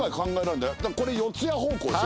だからこれ四谷方向ですよ